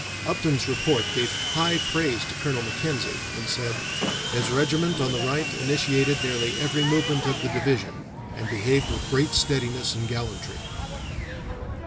Upton's report gave high praise to Colonel Mackenzie, and said: "His regiment on the right initiated nearly every movement of the division, and behaved with great steadiness and gallantry."